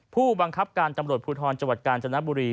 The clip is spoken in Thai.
ผู้บังคับการตำรวจภูทรจังหวัดกาญจนบุรี